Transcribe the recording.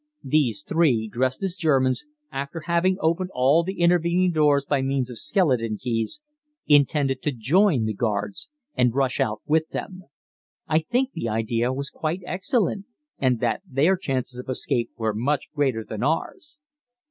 These three, dressed as Germans, after having opened all the intervening doors by means of skeleton keys, intended to join the guards and rush out with them. I think the idea was quite excellent, and that their chances of escape were much greater than ours.